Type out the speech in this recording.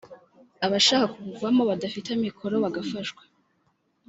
abashaka kubuvamo badafite amikoro bagafashwa